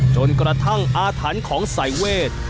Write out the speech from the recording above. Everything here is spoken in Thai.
จนกระทั่งอาถรรพ์ของสายเวท